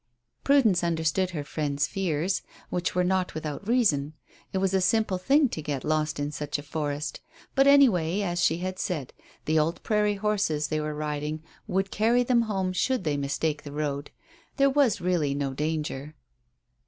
Prudence understood her friend's fears, which were not without reason. It was a simple thing to get lost in such a forest. But anyway, as she had said, the old prairie horses they were riding would carry them home should they mistake the road. There was really no danger.